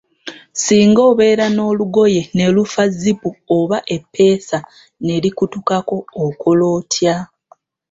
Singa obeera n'olugoye ne lufa zipu oba eppeesa ne likutukako, okola otya?